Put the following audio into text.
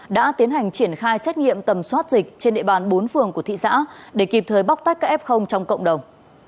đã tiến hành triển khai xét nghiệm tầm soát dịch trên địa bàn bốn phường của thị xã để kịp thời bóc tách các f trong cộng đồng